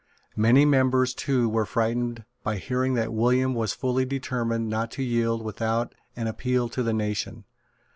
Many members too were frightened by hearing that William was fully determined not to yield without an appeal to the nation.